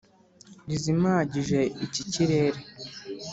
rizimagije iki kirere